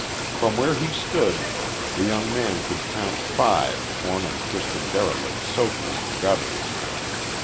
From where he stood the young man could count five torn and twisted derelicts soaking in gutters.